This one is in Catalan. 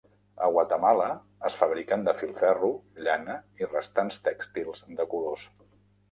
A Guatemala, es fabriquen de filferro, llana i restants tèxtils de colors.